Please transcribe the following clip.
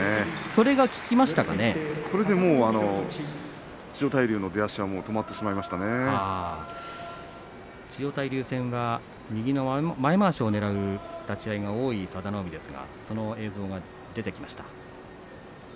それで千代大龍の出足が千代大龍戦は右の前まわしをねらう立ち合いが多い佐田の海ですがその映像が出てきました。